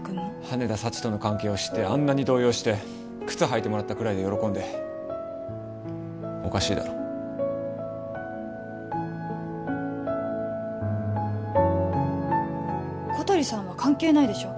羽田早智との関係を知ってあんなに動揺して靴履いてもらったくらいで喜んでおかしいだろ小鳥さんは関係ないでしょ